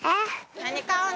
何買うの？